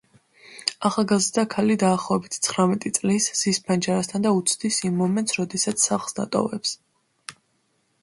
ახალგაზრდა ქალი, დაახლოებით ცხრამეტი წლის, ზის ფანჯარასთან და უცდის იმ მომენტს როდესაც სახლს დატოვებს.